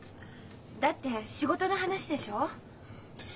だって仕事の話でしょう？ああ。